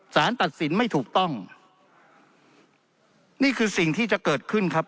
สารตัดสินไม่ถูกต้องนี่คือสิ่งที่จะเกิดขึ้นครับ